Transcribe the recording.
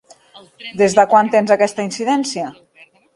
Des de quan tens aquesta incidència?